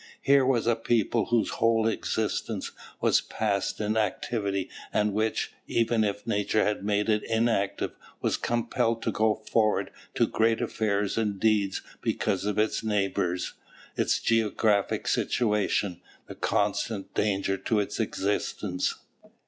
Here was a people whose whole existence was passed in activity, and which, even if nature had made it inactive, was compelled to go forward to great affairs and deeds because of its neighbours, its geographic situation, the constant danger to its existence....